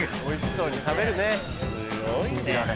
おいしそうに食べるね。